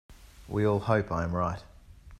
We all hope I am right.